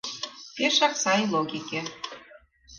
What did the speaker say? Пешак сай логике.